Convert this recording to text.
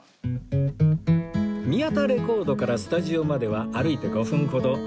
宮田レコードからスタジオまでは歩いて５分ほど